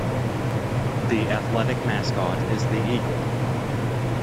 The athletic mascot is the Eagle.